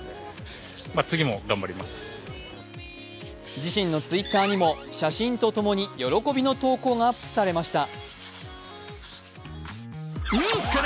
自身のＴｗｉｔｔｅｒにも写真とともに喜びの投稿がアップされました。